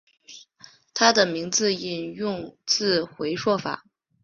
他的名字引用自回溯法。